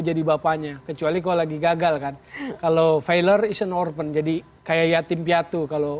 jadi bapaknya kecuali kalau lagi gagal kan kalau filer is an orphan jadi kayak yatim piatu kalau